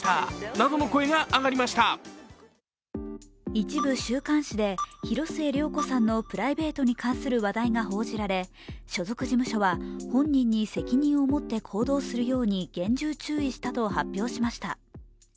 一部週刊誌で広末涼子さんのプライベートに関する話題が報じられ、所属事務所は本人に責任を持って行動するように厳重注意したと発表しました。